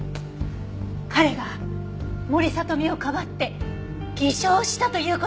彼が森聡美をかばって偽証したという事ですか？